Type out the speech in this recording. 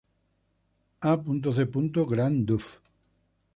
A. C. Grant Duff.